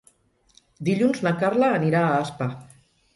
Dilluns na Carla anirà a Aspa.